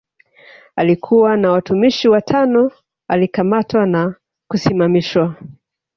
Alikuwa na watumishi watano alikamatwa na kusimamishwa